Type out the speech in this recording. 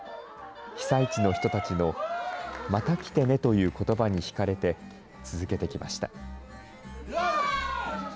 被災地の人たちの、また来てねということばに引かれて、続けてきました。